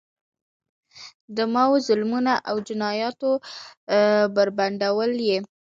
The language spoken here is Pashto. د ماوو ظلمونه او جنایتونه بربنډول یې.